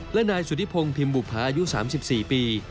และนายสุธิพงศ์พิมบุภาอายุ๓๔ปี